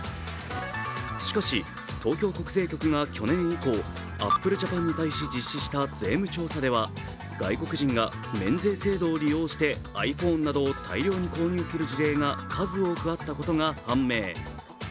しかし、東京国税局が去年以降、アップルジャパンに対し実施した税務調査では外国人が免税制度を利用してｉＰｈｏｎｅなどを大量に購入する事例が数多くあったことが判明。